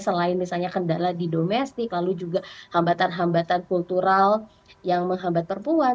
selain misalnya kendala di domestik lalu juga hambatan hambatan kultural yang menghambat perempuan